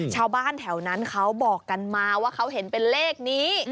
ชาวบ้านแถวนั้นเขาบอกกันมาว่าเขาเห็นเป็นเลขนี้